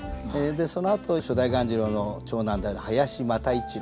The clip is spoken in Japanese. そのあと初代鴈治郎の長男である林又一郎